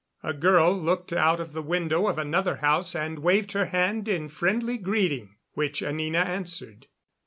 A girl looked out of the window of another house and waved her hand in friendly greeting, which Anina answered.